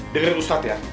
dengar ustadz ya